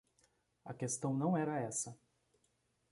A questão não era essa.